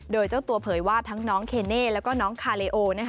โดยเจ้าตัวเผยว่าทั้งน้องเคเน่แล้วก็น้องคาเลโอ